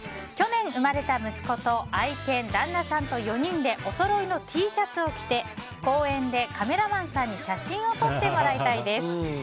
去年生まれた息子と愛犬、旦那さんと４人でおそろいのＴシャツを着て公園でカメラマンさんに写真を撮ってもらいたいです。